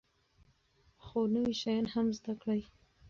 خو نوي شیان هم زده کړئ.